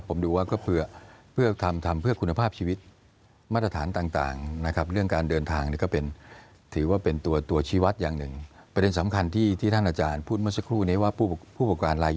ผมดูว่าก็เพื่อทำเพื่อคุณภาพชีวิตมาตรฐานต่างนะครับ